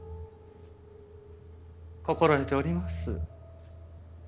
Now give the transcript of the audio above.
心得ております。